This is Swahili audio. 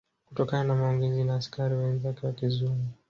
Kutokana na maongezi na askari wenzake wa kizungu